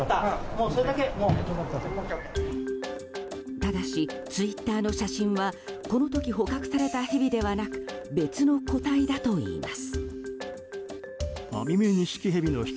ただし、ツイッターの写真はこの時捕獲されたヘビではなく別の個体だといいます。